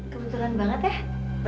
kebetulan banget ya